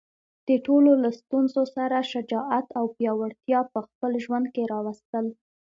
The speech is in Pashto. د ټولو له ستونزو سره شجاعت او پیاوړتیا په خپل ژوند کې راوستل.